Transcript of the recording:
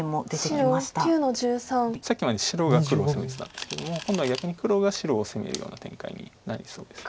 さっきまで白が黒を攻めてたんですけども今度は逆に黒が白を攻めるような展開になりそうです。